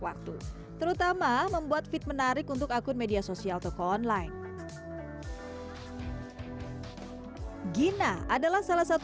waktu terutama membuat fit menarik untuk akun media sosial toko online gina adalah salah satu